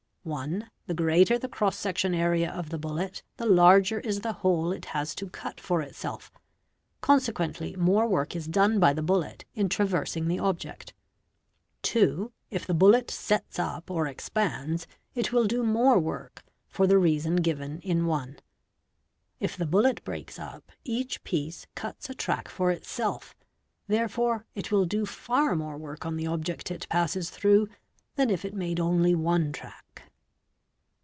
(1) The greater the cross section area of the bullet, the larger is the hole it has to cut for itself, consequently more work 1s dane by the bullet in traversing the object. (2) If the bullet sets up or expands, it will do more work, for a } a '§.. a the reason given in (1). If the bullet breaks up, each piece cuts a track for itself, therefore it will do far more work on the object it passes through than if it made only one track.